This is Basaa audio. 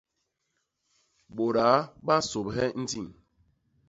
Bôdaa ba nsôbhe ndiñ.